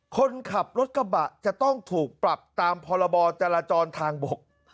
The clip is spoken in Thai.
คนขับรถกระบะจะต้องถูกปรับตามพรบจราจรทางบก